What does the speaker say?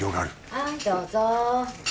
はいどうぞ。